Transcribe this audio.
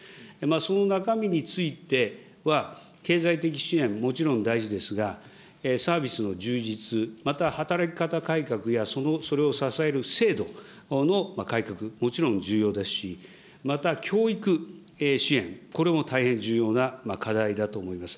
その中身については経済的支援、もちろん大事ですが、サービスの充実、また働き方改革やそれを支える制度の改革、もちろん重要ですし、また教育支援、これも大変重要な課題だと思います。